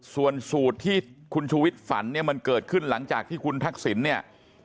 ส่วนสูตรที่คุณชูวิทย์ฝันเนี่ยมันเกิดขึ้นหลังจากที่คุณทักษิณเนี่ย